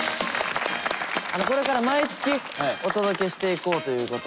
これから毎月お届けしていこうということで。